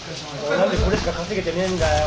何でこれしか稼げてねえんだよ！